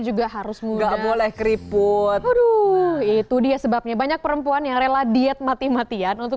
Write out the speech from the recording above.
juga harus enggak boleh keriput aduh itu dia sebabnya banyak perempuan yang rela diet mati matian untuk